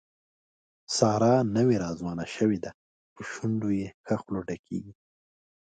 ساره نوې راځوانه شوې ده، په شونډو یې ښه خوله ډکېږي.